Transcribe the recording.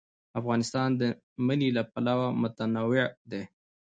افغانستان د منی له پلوه متنوع دی.